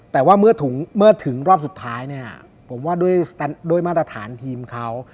แต่ว่าเมื่อถึงรอบสุดท้ายเนี่ยผมว่าด้วยมาตรฐานทีมเขา